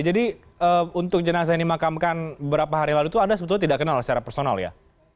jadi untuk jenazah yang dimakamkan beberapa hari lalu itu anda sebetulnya tidak kenal secara personal ya